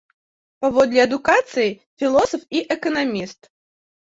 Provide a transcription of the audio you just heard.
Паводле адукацыі філосаф і эканаміст.